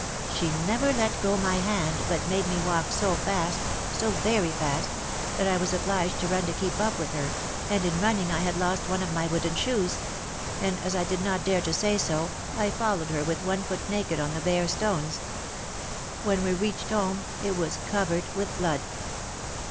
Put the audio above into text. She never let go my hand, but made me walk so fast so very fast that I was obliged to run to keep up with her, and in running I had lost one of my wooden shoes; and as I did not dare to say so, I followed her with one foot naked on the bare stones. When we reached home it was covered with blood."